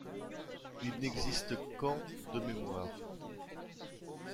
Il n'existe qu'en de mémoire.